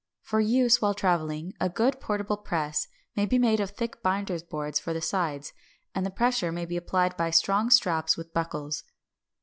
For use while travelling, a good portable press may be made of thick binders' boards for the sides, and the pressure may be applied by strong straps with buckles.